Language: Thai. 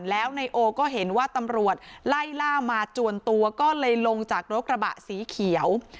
แล้วนายโอก็เห็นว่าตำรวจไล่ล่ามาจวนตัวก็เลยลงจากรถกระบะสีเขียว